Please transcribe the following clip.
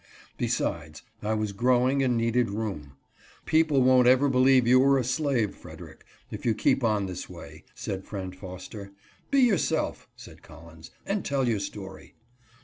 Besides, I was growing and needed room. " People won't believe you ever were a slave, Frederick, if you keep on this way," said friend Foster. " Be your self," said Collins, " and tell your story."